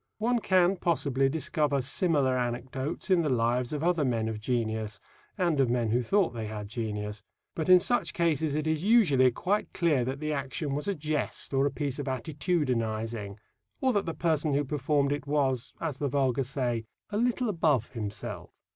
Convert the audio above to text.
One can, possibly, discover similar anecdotes in the lives of other men of genius and of men who thought they had genius. But in such cases it is usually quite clear that the action was a jest or a piece of attitudinizing, or that the person who performed it was, as the vulgar say, "a little above himself."